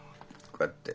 こうやって。